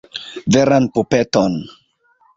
Veran pupeton.